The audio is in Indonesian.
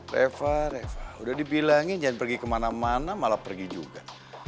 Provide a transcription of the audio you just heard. reva reva udah dibilangin jangan pergi kemana mana malah pergi juga